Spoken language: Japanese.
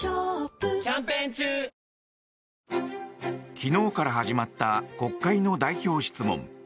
昨日から始まった国会の代表質問。